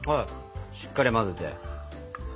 しっかり混ぜて。